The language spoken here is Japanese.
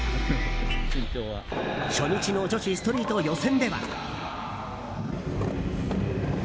初日の女子ストリート予選では。